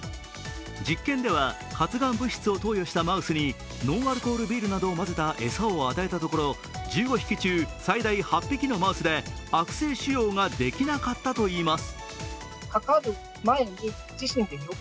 実験では、発がん物質を投与したマウスにノンアルコールビールなどを混ぜた餌を与えたところ１５匹中、最大８匹のマウスで悪性腫瘍ができなかったといいます。